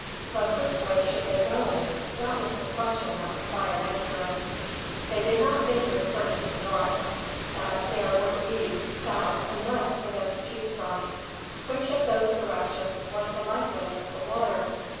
But which way should they go? That was the question that required answering. They did not think of returning to the north; but there were the east, south, and west for them to choose from. Which of those directions was the likeliest for water?